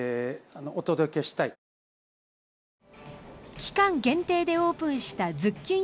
期間限定でオープンしたズッキュン